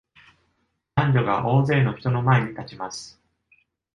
男女が大勢の人の前に立ちます。